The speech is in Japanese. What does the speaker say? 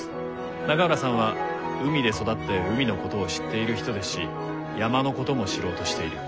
永浦さんは海で育って海のことを知っている人ですし山のことも知ろうとしている。